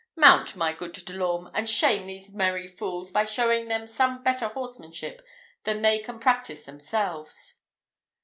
Mount, my good De l'Orme, and shame these merry fools, by showing them some better horsemanship than they can practise themselves."